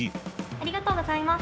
ありがとうございます。